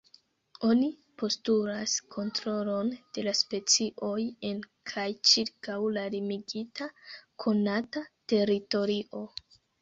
Oni postulas kontrolon de la specioj en kaj ĉirkaŭ la limigita konata teritorio.